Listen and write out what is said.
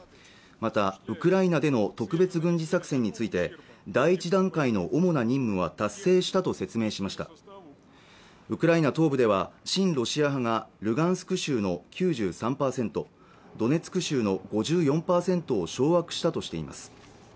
またウクライナでの特別軍事作戦について第１段階の主な任務は達成したと説明しましたウクライナ東部では親ロシア派がルガンスク州の９３％ドネツク州の５４％を掌握したとしています